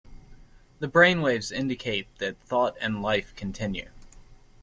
The brainwaves indicate that thought-and life-continue.